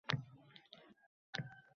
Yon-atrofda dov-daraxt koʻp.